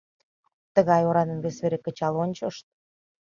Тыгай орадым вес вере кычал ончышт.